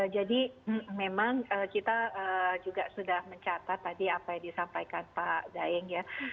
jadi memang kita juga sudah mencatat tadi apa yang disampaikan pak daeng ya